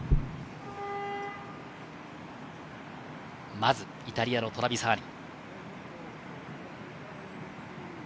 まずイタリアのトラビサーニ。